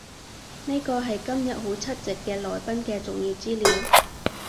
呢個係今日會出席嘅來賓嘅重要資料